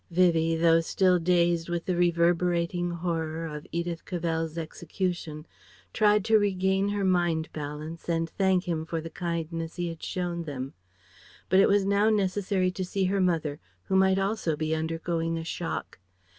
Vivie, though still dazed with the reverberating horror of Edith Cavell's execution, tried to regain her mind balance and thank him for the kindness he had shown them. But it was now necessary to see her mother who might also be undergoing a shock.